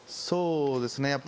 そうですね。